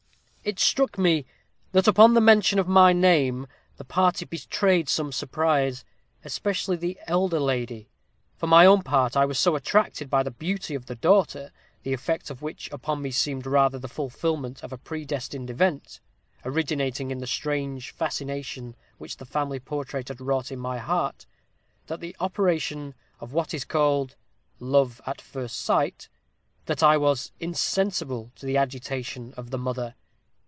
"It struck me, that upon the mention of my name, the party betrayed some surprise, especially the elder lady. For my own part, I was so attracted by the beauty of the daughter, the effect of which upon me seemed rather the fulfilment of a predestined event, originating in the strange fascination which the family portrait had wrought in my heart, than the operation of what is called 'love at first sight,' that I was insensible to the agitation of the mother.